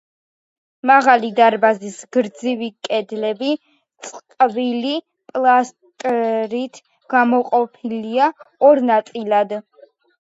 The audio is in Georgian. მაღალი დარბაზის გრძივი კედლები წყვილი პილასტრით გამოყოფილია ორ ნაწილად.